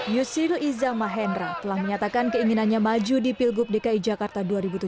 yusril iza mahendra telah menyatakan keinginannya maju di pilgub dki jakarta dua ribu tujuh belas